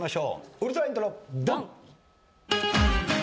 ウルトライントロドン！